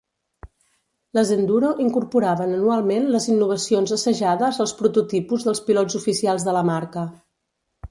Les Enduro incorporaven anualment les innovacions assajades als prototipus dels pilots oficials de la marca.